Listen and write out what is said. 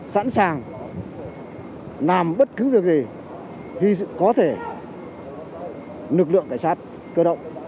sẵn sàng làm bất cứ việc gì có thể lực lượng cảnh sát cơ động